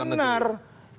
dalam negeri itu